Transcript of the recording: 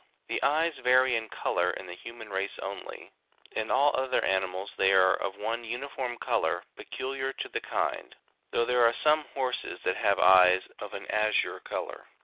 The eyes vary in colour in the human race only ; in all other animals they are of one uniform colour peculiar to the kind, though there are some horses that have eyes of an azure colour.